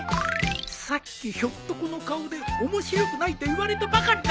さっきひょっとこの顔で面白くないと言われたばかりなのに